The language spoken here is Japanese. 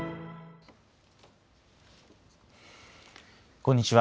こんにちは。